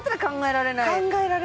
考えられない！